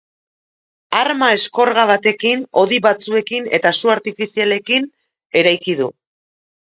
Arma eskorga batekin, hodi batzuekin eta su artifizialekin eraiki du.